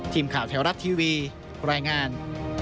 ทีมข่าวแถวรัฐทีวีรายงาน